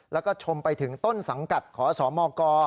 แล้วก็ชมไปถึงต้นสังกัดขอสมก